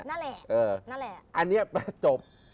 นั่นแหละอันนี้จบ